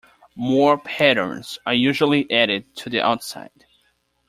More patterns are usually added to the outside.